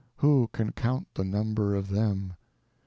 Who can count the number of them?